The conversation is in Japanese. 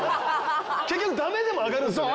結局ダメでも上がるんですよね。